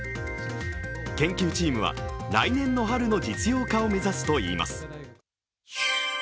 研究チームは来年の春の実用化を目指すといいます。